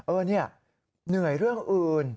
เออเนี่ยเหนื่อยเรื่องอื่น